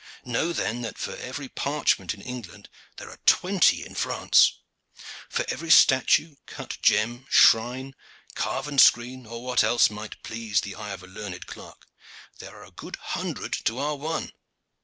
Know then that for every parchment in England there are twenty in France. For every statue, cut gem, shrine, carven screen, or what else might please the eye of a learned clerk, there are a good hundred to our one.